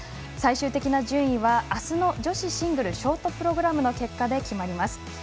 最終的な順位はあすの女子シングルショートプログラムの結果で決まります。